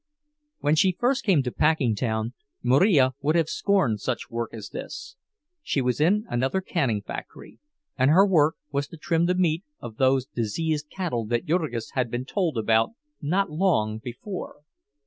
When she first came to Packingtown, Marija would have scorned such work as this. She was in another canning factory, and her work was to trim the meat of those diseased cattle that Jurgis had been told about not long before.